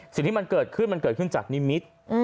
สิ่งที่มันเกิดขึ้นมันเกิดขึ้นจากนิมิตร